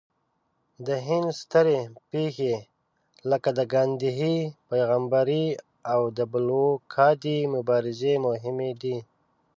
د هند سترې پېښې لکه د ګاندهي پیغمبرۍ او د بلوکادي مبارزې مهمې دي.